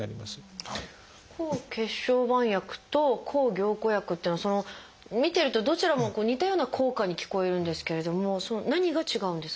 抗血小板薬と抗凝固薬っていうのは見てるとどちらも似たような効果に聞こえるんですけれども何が違うんですか？